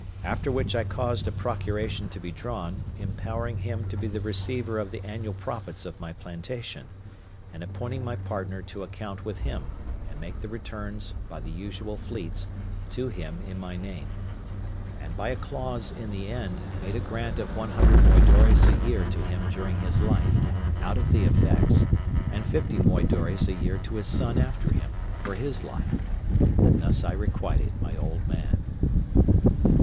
After which I caused a procuration to be drawn, empowering him to be the receiver of the annual profits of my plantation: and appointing my partner to account with him, and make the returns, by the usual fleets, to him in my name; and by a clause in the end, made a grant of one hundred moidores a year to him during his life, out of the effects, and fifty moidores a year to his son after him, for his life: and thus I requited my old man.